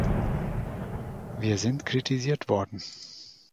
Wir sind kritisiert worden.